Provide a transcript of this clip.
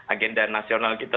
agenda nasional kita